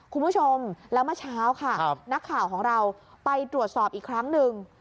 คุณผู้ชมแล้วเมื่อเช้าค่ะนักข่าวของเราไปตรวจสอบอีกครั้งหนึ่ง